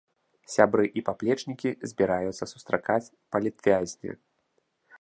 Сябры і паплечнікі збіраюцца сустракаць палітвязня.